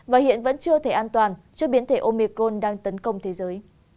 và hiện vẫn chưa thể an toàn trước biến thể omicron đang tấn công thế giới